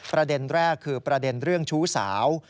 ประเด็นแรกคือประเด็นเรื่องชู้สาว